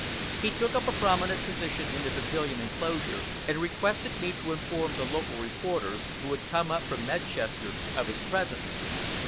He took up a prominent position in the pavilion enclosure, and requested me to inform the local reporters, who had come up from Medchester, of his presence.